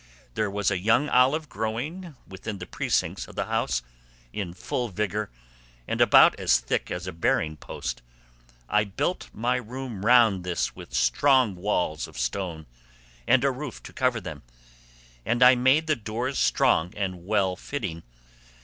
There was a young olive growing within the precincts of the house, in full vigour, and about as thick as a bearing post. I built my room round this with strong walls of stone and a roof to cover them, and I made the doors strong and well fitting.